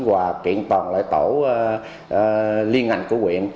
và kiện toàn loại tổ liên hành của huyện